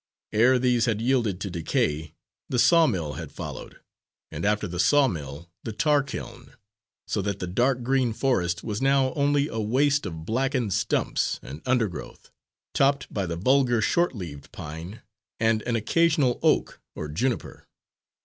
Ere these had yielded to decay, the sawmill had followed, and after the sawmill the tar kiln, so that the dark green forest was now only a waste of blackened stumps and undergrowth, topped by the vulgar short leaved pine and an occasional oak or juniper.